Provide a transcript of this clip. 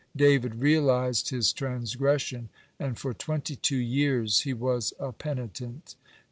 (94) David realized his transgression, and for twenty two years he was a penitent.